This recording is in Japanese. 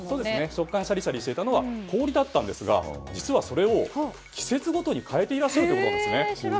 食感がシャリシャリしていたのは氷だったんですが実はそれを季節ごとに変えていらっしゃるということなんです。